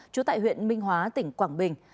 trú tại huyện minh hóa tỉnh quảng bình